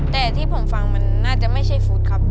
แต่ที่ผมฟังมันน่าจะไม่ใช่ฟุตครับ